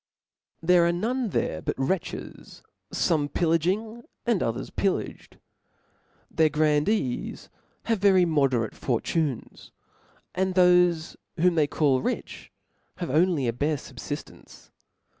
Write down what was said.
There are none there but wretches, fome pilr laging, and others pillaged. Their grandees have Very moderate fortunes; and thofe whom they call rich, have only a bare fubfiftence.